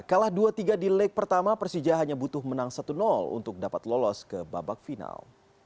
kalah dua tiga di leg pertama persija hanya butuh menang satu untuk dapat lolos ke babak final